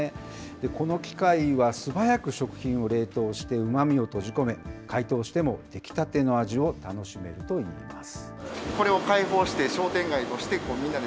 この機械は素早く食品を冷凍してうまみを閉じ込め、解凍しても出来たての味を楽しめるといいます。